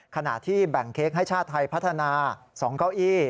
ขณะที่แบ่งเค้กให้ชาติไทยพัฒนา๒เก้าอี้